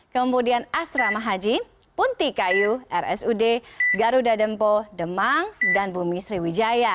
kemudian asrama haji punti kayu rsud garuda dempo demang dan bumi sriwijaya